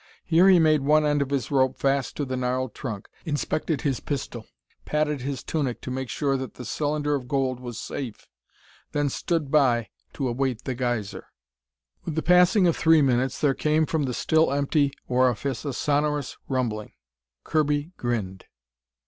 Here he made one end of his rope fast to the gnarled trunk, inspected his pistol, patted his tunic to make sure that the cylinder of gold was safe, then stood by to await the geyser. With the passing of three minutes there came from the still empty orifice a sonorous rumbling. Kirby grinned.